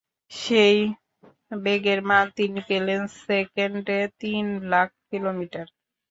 সেই বেগের মান তিনি পেলেন কেকেন্ডে তিন লাখ কিলোমিটার।